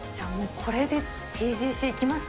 これでＴＧＣ行きますか。